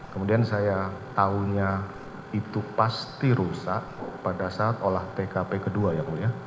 kemudian saya tahunya itu pasti rusak pada saat olah tkp kedua ya mulia